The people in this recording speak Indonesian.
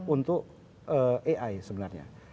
untuk ai sebenarnya